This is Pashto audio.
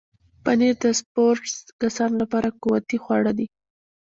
پنېر د سپورټس کسانو لپاره قوتي خواړه دي.